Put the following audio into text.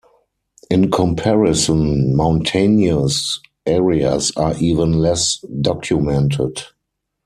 In comparison, mountainous areas are even less documented.